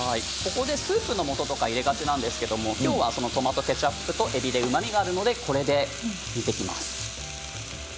ここでスープのもととか入れがちなんですけどきょうはトマトケチャップとえびでうまみがあるのでこれで煮ていきます。